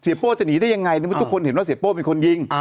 เสียโป้จะหนีได้ยังไงทุกคนเห็นว่าเสียโป้เป็นคนยิง